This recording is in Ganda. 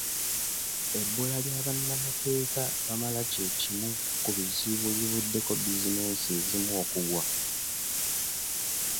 Ebbula lya bannamateeka bamala kye kimu ku bizibu ebivuddeko bbiizineesi ezimu okugwa